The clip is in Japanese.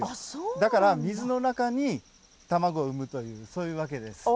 だから水の中に卵を産むとそういうわけです。